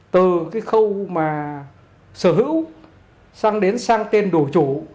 từ cái khâu mà sở hữu sang đến sang tên đồ chủ